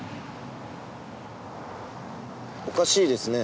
おかしいですね。